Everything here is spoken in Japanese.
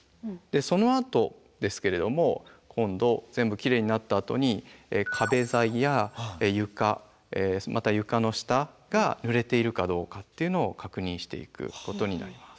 そのあとですけれども今度全部きれいになったあとに壁材や床また床の下がぬれているかどうかっていうのを確認していくことになります。